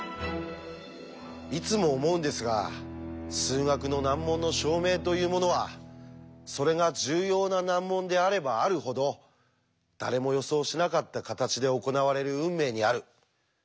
いつも思うんですが数学の難問の証明というものはそれが重要な難問であればあるほど誰も予想しなかった形で行われる運命にあるそんな気がしてなりません。